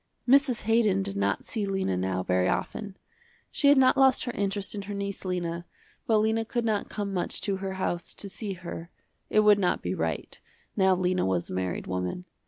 Mrs. Haydon did not see Lena now very often. She had not lost her interest in her niece Lena, but Lena could not come much to her house to see her, it would not be right, now Lena was a married woman.